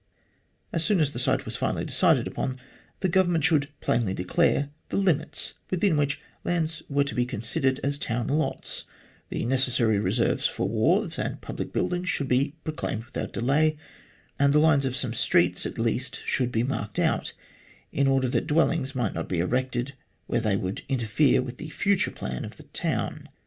As soon as the site was finally decided upon, the Govern ment should plainly declare the limits within which lands were to be considered as town lots ; the necessary reserves for wharves and public buildings should be proclaimed without delay ; and the lines of some streets, at least, should be marked out, in order that dwellings might not be erected where they would interfere with the future plan of the town.